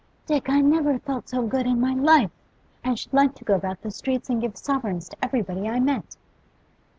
'Dick, I never felt so good in my life! I should like to go about the streets and give sovereigns to everybody I met.